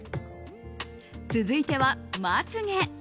続いては、まつ毛。